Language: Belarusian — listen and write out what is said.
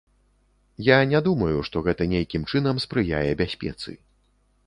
Я не думаю, што гэта нейкім чынам спрыяе бяспецы.